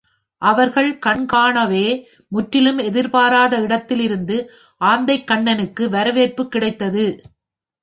அவர்கள் கண் காணவே முற்றிலும் எதிர்பாராத இடத்திலிருந்து ஆந்தைக்கண்ணனுக்கு வரவேற்புக் கிடைத்தது.